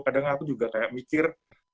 kadang aku juga kayak mikir